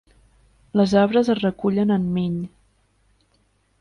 Les obres es recullen en Migne.